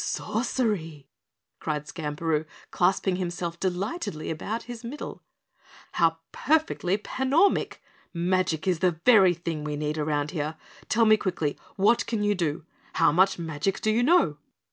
"Sorcery!" cried Skamperoo, clasping himself delightedly about his middle. "How perfectly panormick! Magic is the very thing we need around here. Tell me quickly, what can you do? How much magic do you know?"